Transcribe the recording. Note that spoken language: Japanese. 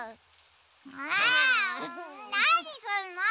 あなにすんの！